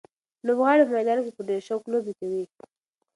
لوبغاړي په میدان کې په ډېر شوق لوبې کوي.